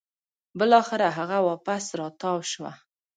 بلاخره هغه واپس راتاو شوه